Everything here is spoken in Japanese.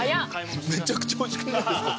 めちゃくちゃおいしくないですか？